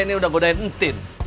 ini udah godain entin